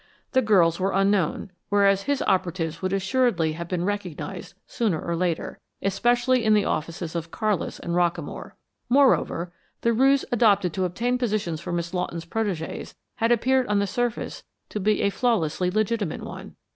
The girls were unknown, whereas his operatives would assuredly have been recognized, sooner or later, especially in the offices of Carlis and Rockamore. Moreover, the ruse adopted to obtain positions for Miss Lawton's protégées had appeared on the surface to be a flawlessly legitimate one.